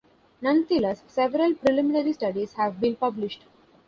Nonetheless, several preliminary studies have been published.